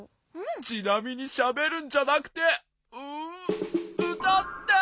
ちなみにしゃべるんじゃなくてうたって！